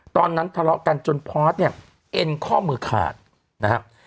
ตอนนั้นทะเลาะกันจนพอสเนี่ยเอ็นข้อมือขาดนะครับ